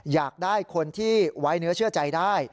อยากได้คนที่ไว้เนื้อเชื่อใจได้